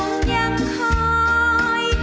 เสียงรัก